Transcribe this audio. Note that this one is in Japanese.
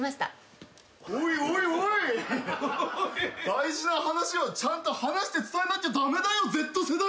大事な話はちゃんと話して伝えなきゃ駄目だよＺ世代！